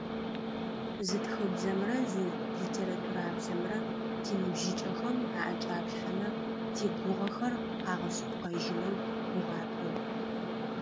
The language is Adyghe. Зы тхыбзэмрэ зы литературабзэмрэ тиныбжьыкӀэхэм аӏэкӏатлъхьэмэ тигугъэхэр къагъэшъыпкъэжьынэу гугъапӏэ.